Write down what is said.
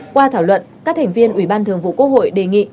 qua thảo luận các thành viên ubthqh đề nghị